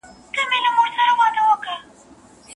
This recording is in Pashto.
که باد نه وي، ډېر ږدن او پاڼي به له کړکۍ څخه ونه